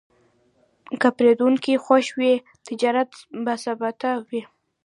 که پیرودونکی خوښ وي، تجارت باثباته وي.